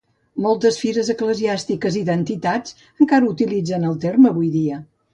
Moltes fires eclesiàstiques i d'entitats encara utilitzen el terme avui en dia.